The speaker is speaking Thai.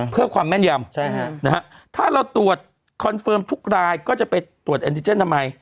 เพื่อความแม่นยำถ้าเราตรวจคอนเฟิร์มทุกรายก็จะไปตรวจแอนติเจนทำไม